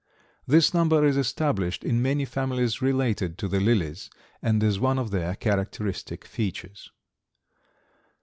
This number is established in many families related to the lilies, and is one of their characteristic features.